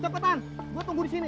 cepetan gue tunggu di sini